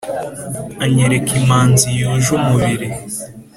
anyereka imanzi zuje umubiri,